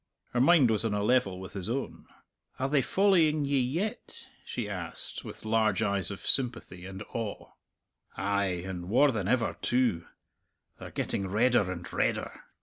Her mind was on a level with his own. "Are they following ye yet?" she asked, with large eyes of sympathy and awe. "Ay, and waur than ever too. They're getting redder and redder.